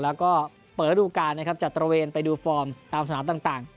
แล้วก็เปิดรูดการจัดตฤทธิ์ไว้ไปดูฟอร์มตามสถานที่ต่าง